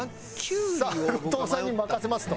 さあ「後藤さんに任せます」と。